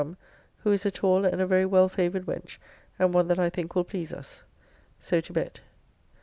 ] come, who is a tall and a very well favoured wench, and one that I think will please us. So to bed.